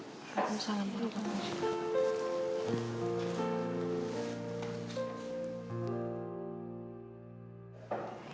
waalaikumsalam warahmatullahi wabarakatuh